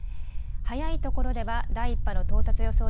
早いところでは第１波の到達予想